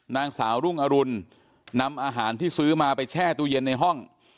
นางสาวรุ่งอรุณนำอาหารที่ซื้อมาไปแช่ตู้เย็นในห้อง